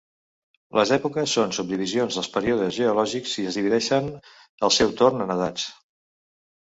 Les èpoques són subdivisions dels períodes geològics i es divideixen al seu torn en edats.